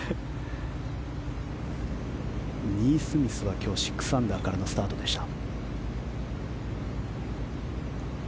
ニースミスは今日６アンダーからのスタートでした。